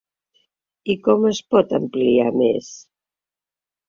I com es pot ampliar més?